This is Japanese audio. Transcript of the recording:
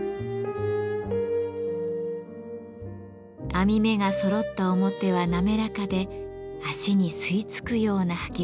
網目がそろった表は滑らかで足に吸い付くような履き心地。